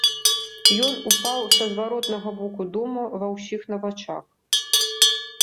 Ён упаў са зваротнага боку дома ва ўсіх на вачах.